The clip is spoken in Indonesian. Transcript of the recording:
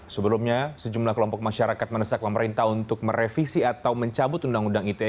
sebelumnya sejumlah kelompok masyarakat menesak pemerintah untuk merevisi atau mencabut undang undang ite